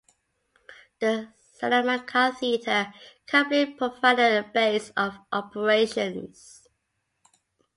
The Salamanca Theatre Company provided a base of operations.